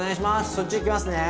そっち行きますね。